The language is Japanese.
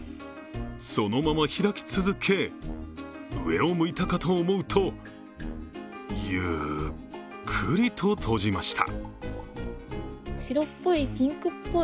そのまま開き続け、上を向いたかと思うとゆっくりと閉じました。